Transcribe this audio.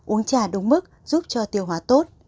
uống trà đúng mức giúp cho tiêu hóa tốt